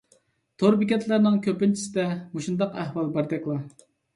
تور بېكەتلەرنىڭ كۆپىنچىسىدە مۇشۇنداق ئەھۋال باردەكلا.